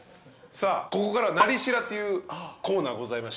さあここからは「なり調」というコーナーございまして。